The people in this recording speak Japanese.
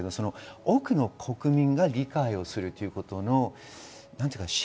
多くの国民が理解するということ。